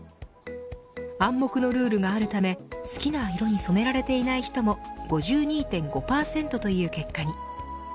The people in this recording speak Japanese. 暗黙のルールがあるため好きな色に染められていない人も５２．５％という結果に。